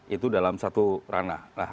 itu dalam satu ranah